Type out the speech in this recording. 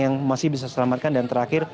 yang masih bisa selamatkan dan terakhir